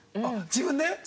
自分で。